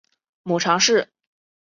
母常氏。